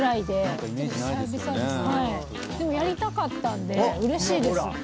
でもやりたかったんでうれしいです。